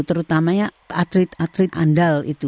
terutamanya atlet atlet andal itu